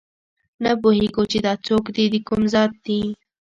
نه پوهېږو چې دا څوک دي دکوم ذات دي